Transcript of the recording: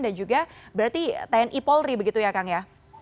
juga berarti tni polri begitu ya kang ya